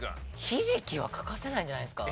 ひじきは欠かせないんじゃないですか？